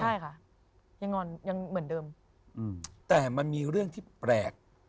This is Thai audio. ใช่ค่ะยังเหมือนเดิมแต่มันมีเรื่องที่แปลก